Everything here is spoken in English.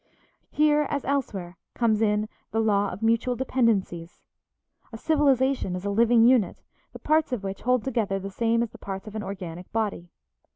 Here, as elsewhere, comes in the law of mutual dependencies. A civilization is a living unit, the parts of which hold together the same as the parts of an organic body.